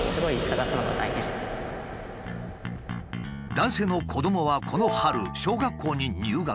男性の子どもはこの春小学校に入学。